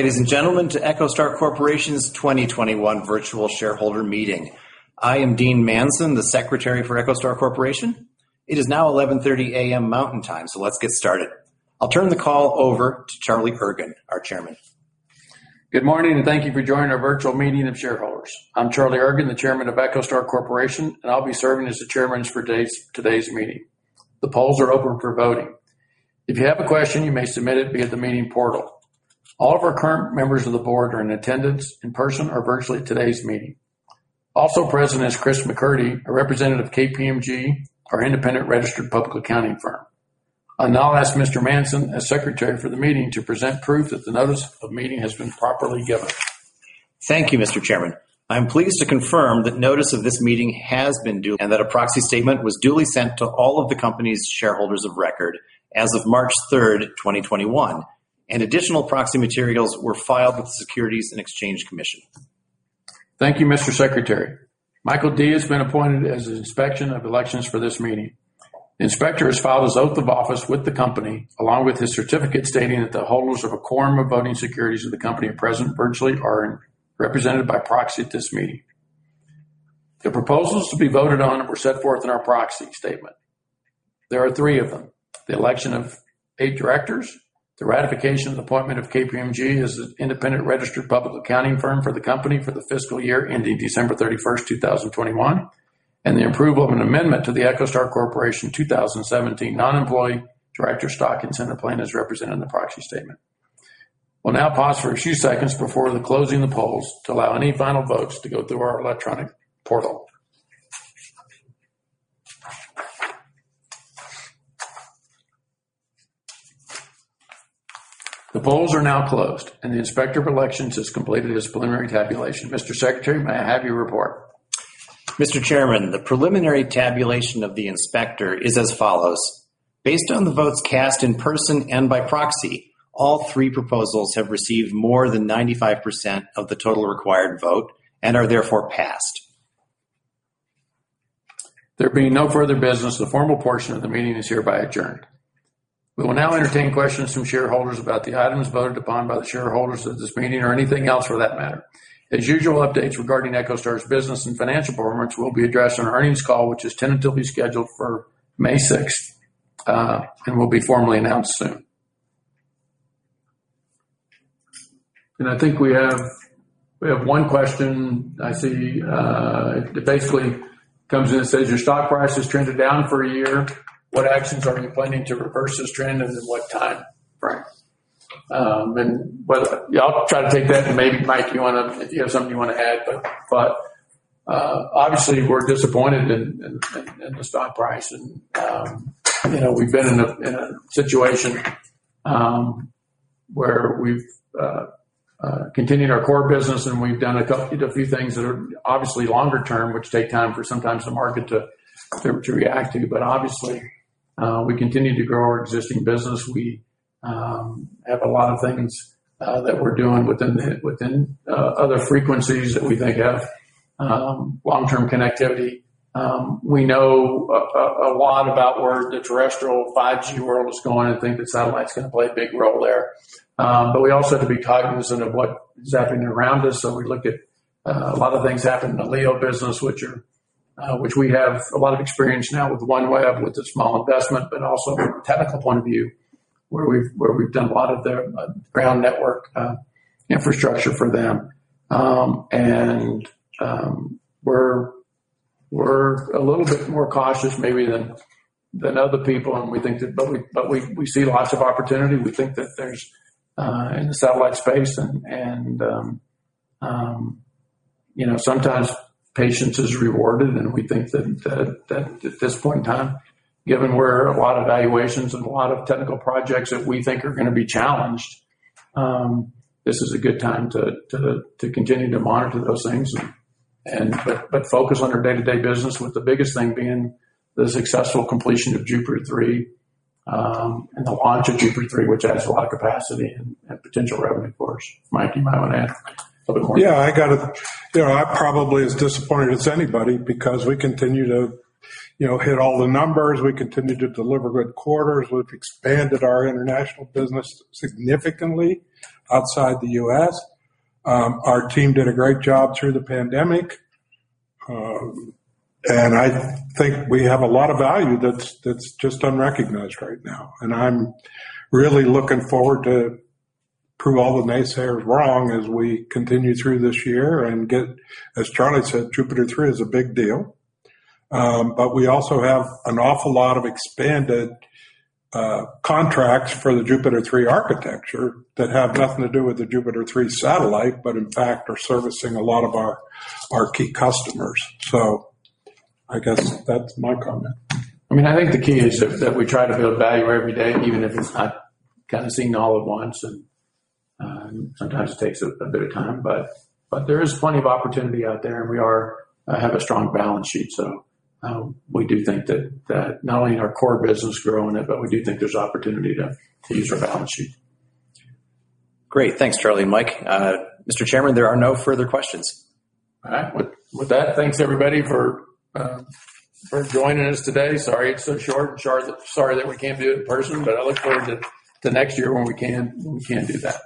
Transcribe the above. Ladies and gentlemen, to EchoStar Corporation's 2021 Virtual Shareholder Meeting. I am Dean Manson, the Secretary for EchoStar Corporation. It is now 11:30 A.M. Mountain Time, so let's get started. I'll turn the call over to Charlie Ergen, our Chairman. Good morning, and thank you for joining our virtual meeting of shareholders. I'm Charlie Ergen, the Chairman of EchoStar Corporation, and I'll be serving as the chairman for today's meeting. The polls are open for voting. If you have a question, you may submit it via the meeting portal. All of our current members of the Board are in attendance, in person or virtually at today's meeting. Also present is Chris McCurdy, a representative of KPMG, our independent registered public accounting firm. I'll now ask Mr. Manson, as Secretary for the meeting, to present proof that the notice of meeting has been properly given. Thank you, Mr. Chairman. I'm pleased to confirm that notice of this meeting has been due, and that a proxy statement was duly sent to all of the company's shareholders of record as of March 3rd, 2021, and additional proxy materials were filed with the Securities and Exchange Commission. Thank you, Mr. Secretary. Michael Dee has been appointed as the Inspector of Elections for this meeting. The inspector has filed his oath of office with the company, along with his certificate stating that the holders of a quorum of voting securities of the company present virtually are represented by proxy at this meeting. The proposals to be voted on were set forth in our proxy statement. There are three of them. The election of eight directors, the ratification of the appointment of KPMG as the independent registered public accounting firm for the company for the fiscal year ending December 31st, 2021, and the approval of an amendment to the EchoStar Corporation 2017 Non-Employee Director Stock Incentive Plan as represented in the proxy statement. We'll now pause for a few seconds before closing the polls to allow any final votes to go through our electronic portal. The polls are now closed, and the Inspector of Elections has completed his preliminary tabulation. Mr. Secretary, may I have your report? Mr. Chairman, the preliminary tabulation of the Inspector is as follows. Based on the votes cast in person and by proxy, all three proposals have received more than 95% of the total required vote and are therefore passed. There being no further business, the formal portion of the meeting is hereby adjourned. We will now entertain questions from shareholders about the items voted upon by the shareholders at this meeting or anything else for that matter. As usual, updates regarding EchoStar's business and financial performance will be addressed on our earnings call, which is tentatively scheduled for May 6th, and will be formally announced soon. I think we have one question I see. It basically comes in and says, "Your stock price has trended down for a year. What actions are you planning to reverse this trend, and in what time frame?" I'll try to take that, and maybe, Mike, if you have something you want to add. Obviously, we're disappointed in the stock price, and we've been in a situation where we've continued our core business, and we've done a few things that are obviously longer term, which take time for sometimes the market to react to. Obviously, we continue to grow our existing business. We have a lot of things that we're doing within other frequencies that we think have long-term connectivity. We know a lot about where the terrestrial 5G world is going and think that satellite's going to play a big role there. We also have to be cognizant of what's happening around us, so we look at a lot of things happening in the LEO business, which we have a lot of experience now with OneWeb, with a small investment, but also from a technical point of view, where we've done a lot of their ground network infrastructure for them. We're a little bit more cautious maybe than other people, but we see lots of opportunity. We think that there's, in the satellite space, and sometimes patience is rewarded, and we think that at this point in time, given where a lot of valuations and a lot of technical projects that we think are going to be challenged, this is a good time to continue to monitor those things, but focus on our day-to-day business, with the biggest thing being the successful completion of Jupiter 3 and the launch of Jupiter 3, which adds a lot of capacity and potential revenue for us. Mike, you might want to add a little more. Yeah, I'm probably as disappointed as anybody because we continue to hit all the numbers. We continue to deliver good quarters. We've expanded our international business significantly outside the U.S. Our team did a great job through the pandemic. I think we have a lot of value that's just unrecognized right now, and I'm really looking forward to prove all the naysayers wrong as we continue through this year and get, as Charlie said, Jupiter 3 is a big deal. We also have an awful lot of expanded contracts for the Jupiter 3 architecture that have nothing to do with the Jupiter 3 satellite, but in fact, are servicing a lot of our key customers. I guess that's my comment. I think the key is that we try to build value every day, even if it's not seen all at once, and sometimes it takes a bit of time. There is plenty of opportunity out there, and we have a strong balance sheet. We do think that not only is our core business growing, but we do think there's opportunity to use our balance sheet. Great. Thanks, Charlie and Mike. Mr. Chairman, there are no further questions. All right. With that, thanks everybody for joining us today. Sorry it's so short and sorry that we can't do it in person, but I look forward to next year when we can do that.